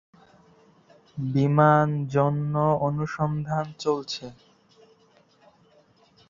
বিমান জন্য অনুসন্ধান চলছে।